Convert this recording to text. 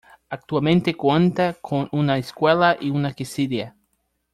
Actualmente cuenta con una escuela y una quesería.